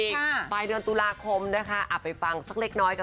คุณก้อยกันเลยค่ะ